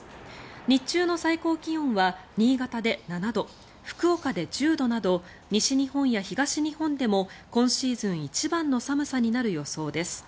日中の最高気温は新潟で７度福岡で１０度など西日本や東日本でも今シーズン一番の寒さになる予想です。